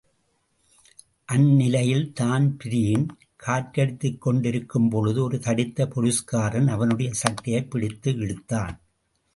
அந்நிலையில் தான்பிரீன் காற்றடித்துக்கொண்டிருக்கும் பொழுது ஒரு தடித்த போலிஸ்காரன் அவனுடைய சட்டையைப் பிடித்து இழுத்தான்.